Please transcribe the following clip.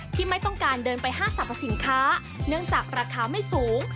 ไม่ต้องการเดินไปห้างสรรพสินค้าเนื่องจากราคาไม่สูง